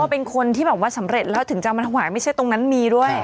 โอ้เป็นคนที่เหมือนว่าสำเร็จแล้วถึงจะมันหรอกไม่ใช่ตรงนั้นมีด้วย